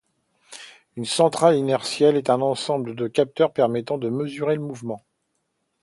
Une centrale inertielle est un ensemble de capteurs permettant de mesurer le mouvement.